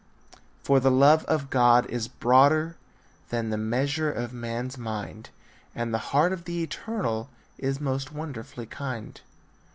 For the love of God is broader Than the measure of man's mind, And the heart of the eternal Is most wonderfully kind.